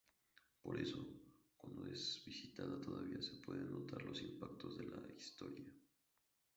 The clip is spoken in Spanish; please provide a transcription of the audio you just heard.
Por eso, cuando es visitada todavía se pueden notar los impactos de la historia.